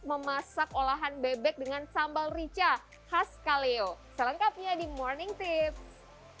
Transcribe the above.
memasak olahan bebek dengan sambal rica khas kaleo selengkapnya di morning tips